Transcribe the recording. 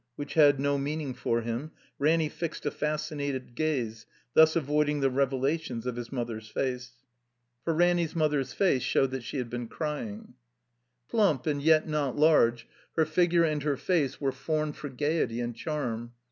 which had no[meain ing for him, Ranny fixed a fascinated gaze, thus avoiding the revelations of his mother's face. For Ranny's mother's face showed that she had been crying. Plump, and yet not large, her figure and her face were formed for gaiety and charm.